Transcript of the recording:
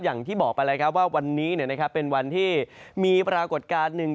อย่างที่บอกไปแล้วครับว่าวันนี้เป็นวันที่มีปรากฏการณ์หนึ่ง